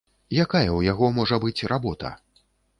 Якая ў яго можа быць работа?